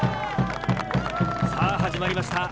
さあ始まりました。